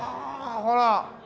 ほら！